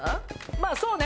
まあそうね。